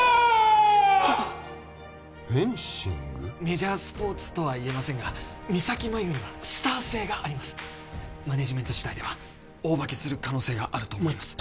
メジャースポーツとは言えませんが三咲麻有にはスター性がありますマネージメント次第では大化けする可能性があると思います